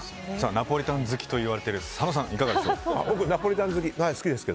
ナポリタン好きといわれる佐野さんはいかがですか。